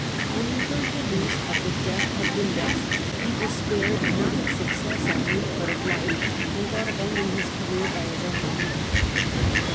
When he heard the news of the death of Vindex he despaired not of success only but of life, and thought of ending his career by his own hand.